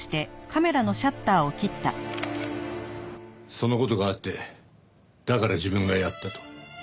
その事があってだから自分がやったと？